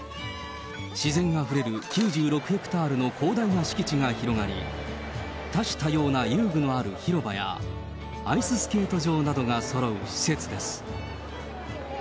自然あふれる９６ヘクタールの広大な敷地が広がり、多種多様な遊具のある広場や、アイススケート場などがそろう施設です。